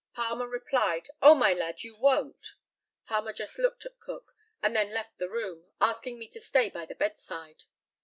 Palmer replied, "Oh, my lad, you won't!" Palmer just looked at Cook, and then left the room, asking me to stay by the bedside.